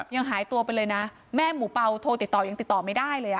ยังหายตัวไปเลยนะแม่หมูเป่าโทรติดต่อยังติดต่อไม่ได้เลย